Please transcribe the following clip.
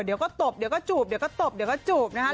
เดี๋ยวก็ตบเดี๋ยวก็จูบเดี๋ยวก็ตบเดี๋ยวก็จูบนะคะ